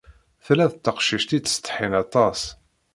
Tella d taqcict yettsetḥin aṭas.